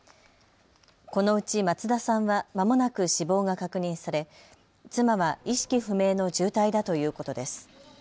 このうち松田さんは、まもなく死亡が確認され、妻は意識不明の重体だということです。